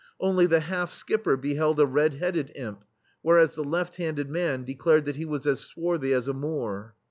Only, the half skipper beheld a red headed imp, whereas the left handed man declared that he was as swarthy as a Moor.